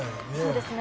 そうですね。